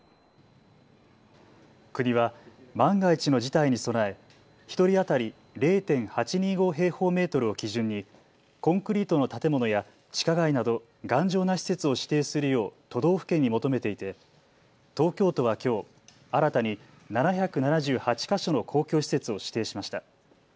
国は万が一の事態に備え１人当たり０．８２５平方メートルを基準にコンクリートの建物や地下街など頑丈な施設を指定するよう都道府県に求めていて東京都はきょう新たに７７８か所の公共施設を指定しました。